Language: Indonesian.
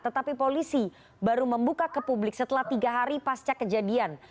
tetapi polisi baru membuka ke publik setelah tiga hari pasca kejadian